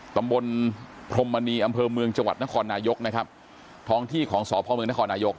ตำบลพรมมณีอำเภอเมืองจังหวัดนครนายกนะครับท้องที่ของสพเมืองนครนายก